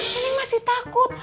neneng masih takut